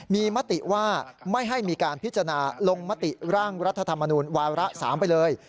มีมติว่าไม่ให้มีการพิจารณาลงมติร่างรัฐธรรมนูญวาระ๓ไปเลย